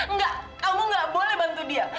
enggak kamu gak boleh bantu dia